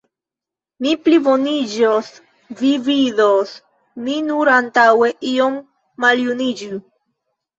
Mi pliboniĝos, vi vidos, mi nur antaŭe iom maljuniĝu!